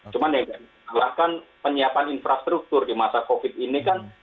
cuma yang diperlukan penyiapan infrastruktur di masa covid sembilan belas ini kan